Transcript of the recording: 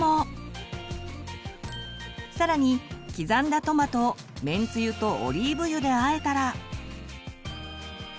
さらに刻んだトマトをめんつゆとオリーブ油で和えたら。